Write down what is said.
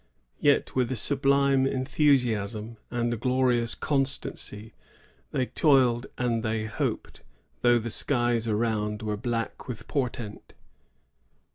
Yet, with a sublime enthusiasm and a glorious constancy, they toiled and they hoped, though the skies around were black with portent.